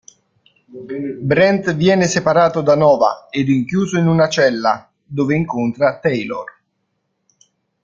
Brent viene separato da Nova e rinchiuso in una cella, dove incontra Taylor.